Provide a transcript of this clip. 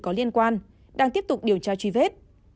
có liên quan đang tiếp tục điều tra truy vết